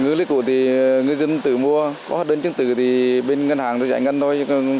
ngư lấy cụ thì ngư dân tự mua có hợp đơn chứng tử thì bên ngân hàng tự trải ngân thôi